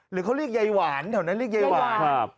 หรือเขาเรียกไยหวานเท่านั้นเรียกไยหวาน